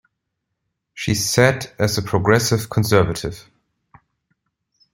She sat as a Progressive Conservative.